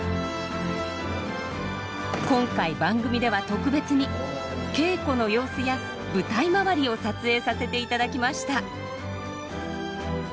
今回番組では特別に稽古の様子や舞台周りを撮影させていただきました。